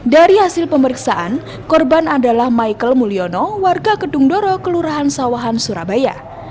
dari hasil pemeriksaan korban adalah michael mulyono warga kedung doro kelurahan sawahan surabaya